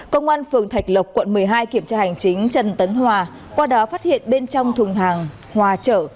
công an phường thạch lộc quận một mươi hai kiểm tra hành chính trần tấn hòa qua đó phát hiện bên trong thùng hàng hòa trở